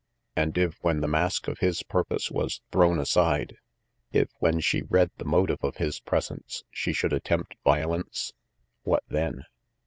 And if, when the mask of his purpose was thrown aside if, when she read the motive of his presence, she should attempt violence what then?